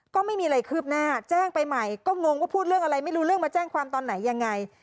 ก็ไม่มีอะไรคืบหน้าแจ้งไปใหม่ก็งงว่าพูดเรื่องอะไรไม่รู้เรื่องมาแจ้งความตอนไหนยังไง